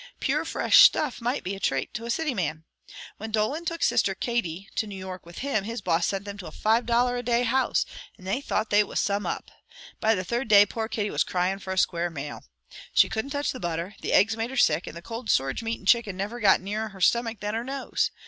Pure, fresh stuff might be a trate to a city man. When Dolan took sister Katie to New York with him, his boss sent them to a five dollar a day house, and they thought they was some up. By the third day poor Katie was cryin' for a square male. She couldn't touch the butter, the eggs made her sick, and the cold storage meat and chicken never got nearer her stomach than her nose.